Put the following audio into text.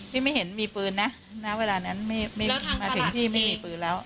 ไม่เห็นมีปืนนะณเวลานั้นมาถึงที่ไม่มีปืนแล้ว